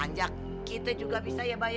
anjak kita juga bisa ya bay